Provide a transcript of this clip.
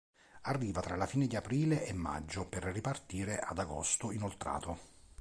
Arriva tra la fine di aprile e maggio per ripartire ad agosto inoltrato.